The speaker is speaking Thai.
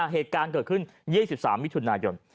เหตุการณ์เกิดขึ้น๒๓มิถุนายน